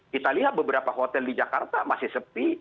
kita lihat beberapa hotel di jakarta masih sepi